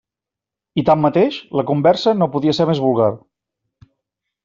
I tanmateix, la conversa no podia ser més vulgar.